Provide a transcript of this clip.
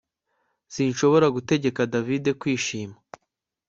Sinshobora gutegeka David kwishima